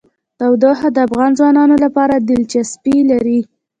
تودوخه د افغان ځوانانو لپاره دلچسپي لري.